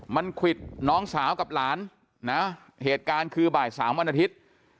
มันควิดน้องสาวกับหลานนะเหตุการณ์คือบ่ายสามวันอาทิตย์